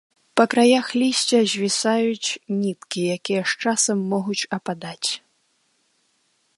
Па краях лісця звісаюць ніткі, якія з часам могуць ападаць.